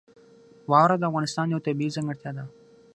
واوره د افغانستان یوه طبیعي ځانګړتیا ده.